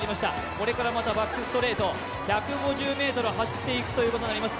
これからまたバックストレート、１５０ｍ走っていくことになります。